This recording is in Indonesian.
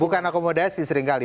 bukan akomodasi seringkali